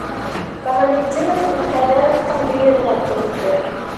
Камалетдинов Мирхәйҙәровтың бөйөрөнә төрттө: